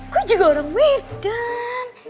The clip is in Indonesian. kok juga orang medan